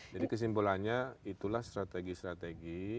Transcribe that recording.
jadi kesimpulannya itulah strategi strategi